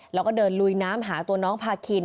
แล้วก็เดินลุยน้ำหาตัวน้องพาคิน